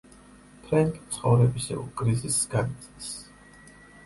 ფრენკი ცხოვრებისეულ კრიზისს განიცდის.